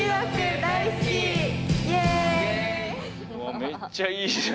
めっちゃいいじゃん。